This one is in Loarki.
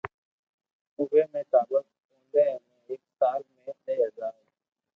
اووي ۾ ٽاٻر ٻودي ۾ ايڪ سال ۾ دھي ھزار